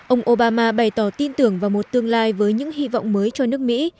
ông obama bày tỏ tin tưởng vào một tương lai với những hy vọng mới cho nước mỹ